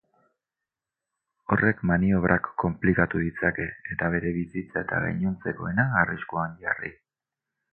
Horrek maniobrak konplikatu ditzake eta bere bizitza eta gainontzekoena arriskuan jarri.